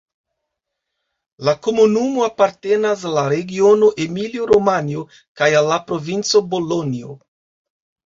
La komunumo apartenas al la regiono Emilio-Romanjo kaj al la provinco Bolonjo.